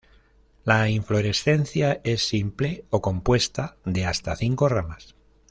La inflorescencia es simple o compuesta de hasta cinco ramas.